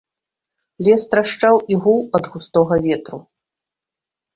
Лес трашчаў і гуў ад густога ветру.